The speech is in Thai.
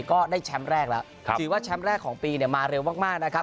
ก็ได้แชมป์แรกแล้วถือว่าแชมป์แรกของปีเนี่ยมาเร็วมากนะครับ